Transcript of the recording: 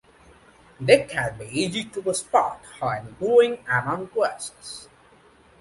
They can be easy to spot when growing among grasses.